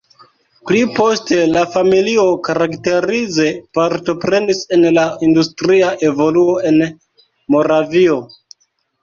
Pli poste la familio karakterize partoprenis en la industria evoluo en Moravio.